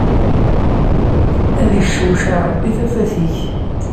Ad iccewceɛ Ṛebbi tafat ik.